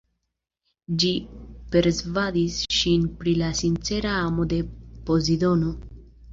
Ĝi persvadis ŝin pri la sincera amo de Pozidono.